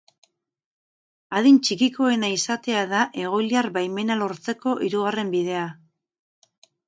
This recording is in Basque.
Adin txikikoena izatea da egoiliar baimena lortzeko hirugarren bidea.